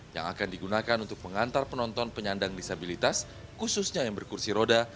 yang akan digunakan untuk mengantar penonton penyandang disabilitas khususnya yang berkursi roda